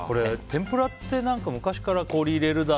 天ぷらって、昔から氷入れるだ